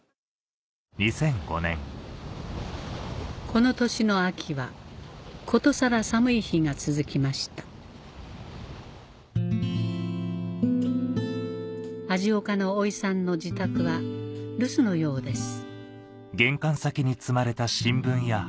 この年の秋はことさら寒い日が続きました味岡のおいさんの自宅は留守のようです